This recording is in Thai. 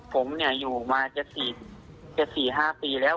ผมเนี่ยอยู่มาเจ็ด๔๕ปีแล้ว